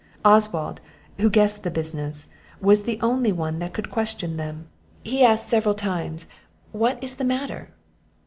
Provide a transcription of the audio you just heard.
Oswald, who guessed the business, was the only one that could question them. He asked several times, "What is the matter?"